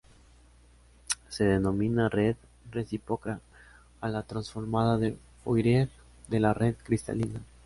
Se denomina red recíproca a la transformada de Fourier de la red cristalina.